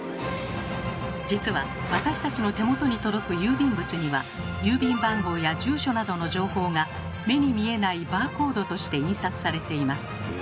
実は私たちの手元に届く郵便物には郵便番号や住所などの情報が目に見えないバーコードとして印刷されています。